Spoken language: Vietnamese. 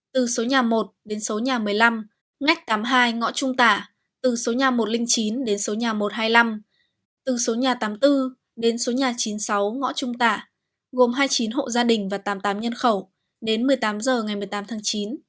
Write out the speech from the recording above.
từ số nhà một đến số nhà một mươi năm ngách tám mươi hai ngõ trung tả từ số nhà một trăm linh chín đến số nhà một trăm hai mươi năm từ số nhà tám mươi bốn đến số nhà chín mươi sáu ngõ trung tả gồm hai mươi chín hộ gia đình và tám mươi tám nhân khẩu đến một mươi tám h ngày một mươi tám tháng chín